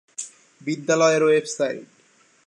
বিদ্যালয়ের ওয়েবসাইট